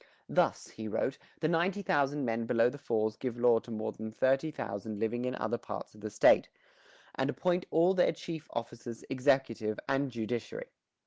"Thus," he wrote, "the 19,000 men below the falls give law to more than 30,000 living in other parts of the state, and appoint all their chief officers, executive and judiciary."